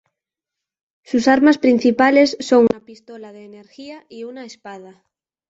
Sus armas principales son una pistola de energía y una espada.